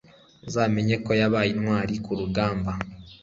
uzamenye ko yabaye intwari ku rugamba